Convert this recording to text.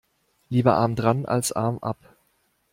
Lieber arm dran als Arm ab.